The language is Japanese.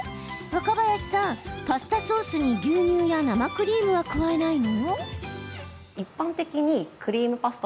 若林さん、パスタソースに牛乳や生クリームは加えないの？